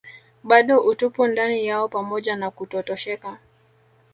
bado utupu ndani yao pamoja na kutotosheka